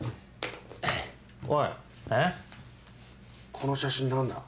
この写真何だ？